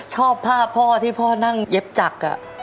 ชอบภาพพ่อที่พ่อนั่งเย็บจักร